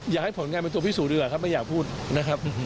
อยากให้ผลงานเป็นตัวพิสูจนดีกว่าครับไม่อยากพูดนะครับ